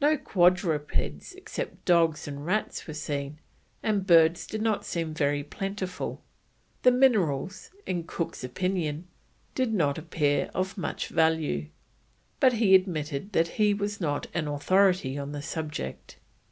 No quadrupeds except dogs and rats were seen, and birds did not seem very plentiful. The minerals, in Cook's opinion, did not appear of much value, but he admitted that he was not an authority on the subject.